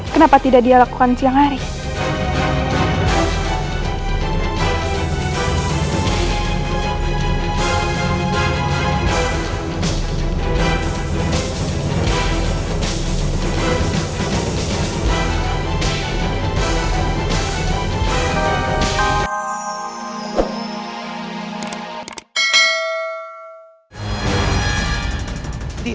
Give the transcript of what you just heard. kenapa tidak dilakukan siang hari